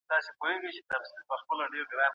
هیوادونه له نړیوالو اصولو بې له احترام نه نه تېرېږي.